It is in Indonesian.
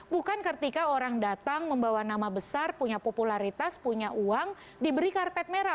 bukan ketika orang datang membawa nama besar punya popularitas punya uang diberi karpet merah